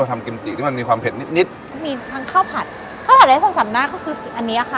ไปเรียนเมนูข้างเคียงพวกนี้